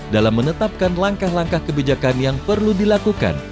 dalam menetapkan langkah langkah kebijakan yang perlu dilakukan